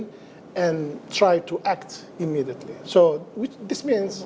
dan berusaha untuk berlaku dengan cepat